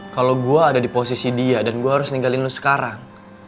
kalau gue ada di posisi dia dan gue harus ninggalin lo sekarang